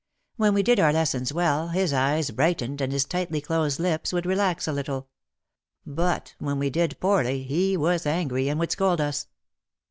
When we did our lessons well his eyes brightened and his tightly closed lips would relax a little. But when we did poorly he was angry and would scold us.